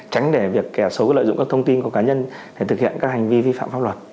tránh để việc kẻ xấu lợi dụng các thông tin của cá nhân để thực hiện các hành vi vi phạm pháp luật